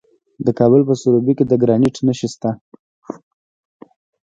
د کابل په سروبي کې د ګرانیټ نښې شته.